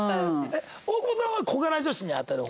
大久保さんは小柄女子にあたる方？